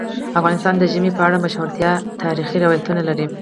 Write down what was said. افغانستان د ژمی په اړه مشهور تاریخی روایتونه لري.